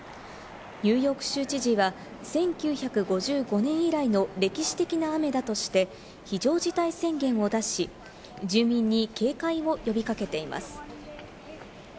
ニューヨーク州知事は１９５５年以来の歴史的な雨だとして、非常事態宣言を出し、住民に警戒を呼び掛けています。